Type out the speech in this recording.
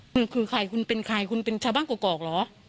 มือคือใครคุณเป็นใครคุณเป็นชาวบ้านกรอกเหรอ